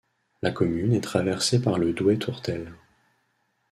La commune est traversée par le Douet Tourtelle.